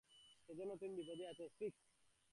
সেজন্যই তুমি বিপদে আছো, সিক্স।